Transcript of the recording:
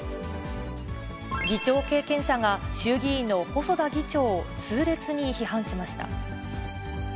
議長経験者が、衆議院の細田議長を痛烈に批判しました。